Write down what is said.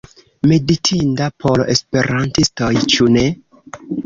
Meditinda por esperantistoj, ĉu ne?